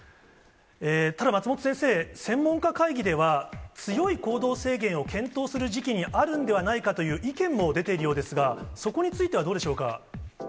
ただ松本先生、専門家会議では、強い行動制限を検討する時期にあるんではないかという意見も出ているようですが、そこについてはどうでしょうか？